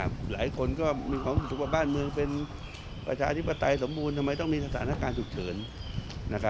หลายคนก็บ้านมือเป็นประชานิปไตยสมบูรณ์ทำไมต้องมีสถานการณ์ถูกเฉิน